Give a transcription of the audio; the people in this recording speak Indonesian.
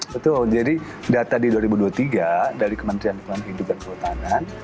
betul jadi data di dua ribu dua puluh tiga dari kementerian hidup dan kehutanan